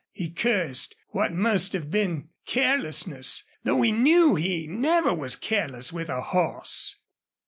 He cursed what must have been carelessness, though he knew he never was careless with a horse.